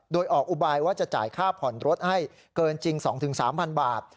โดยออกอุบายว่าจะจ่ายค่าผ่อนรถให้เกินจริง๒๓๐๐บาท